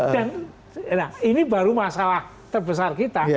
dan ini baru masalah terbesar kita